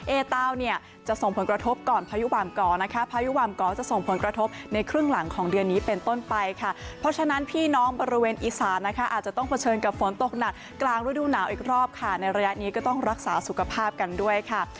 เอเตาเนี่ยจะส่งผลกระทบก่อนพายุบามก่อนะคะพายุบามก่อจะส่งผลกระทบในครึ่งหลังของเดือนนี้เป็นต้นไปค่ะเพราะฉะนั้นพี่น้องบริเวณอีสานนะคะอาจจะต้องเผชิญกับฝนตกหนักกลางฤดูหนาวอีกรอบค่ะในระยะนี้ก็ต้องรักษาสุขภาพกันด้วยค่ะ